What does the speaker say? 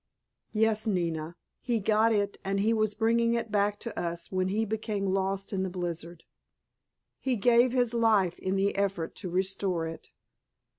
"Yes, Nina. He got it, and he was bringing it back to us when he became lost in the blizzard. He gave his life in the effort to restore it."